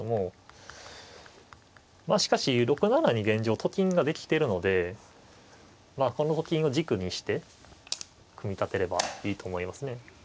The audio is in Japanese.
しかし６七に現状と金ができてるのでまあこのと金を軸にして組み立てればいいと思いますね。